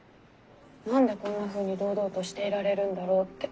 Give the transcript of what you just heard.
何でこんなふうに堂々としていられるんだろうって。